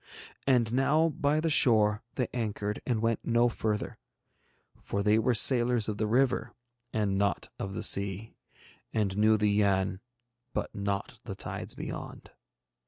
And now by the shore they anchored and went no further, for they were sailors of the river and not of the sea, and knew the Yann but not the tides beyond.